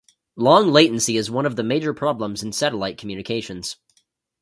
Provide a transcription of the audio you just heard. Long latency is one of the major problems in satellite communications.